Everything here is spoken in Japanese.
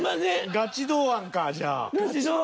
ガチ堂安かじゃあ。